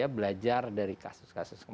belajar dari kasus kasus